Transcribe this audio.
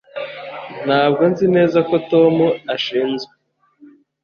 Ntabwo nzi neza ko Tom ashinzwe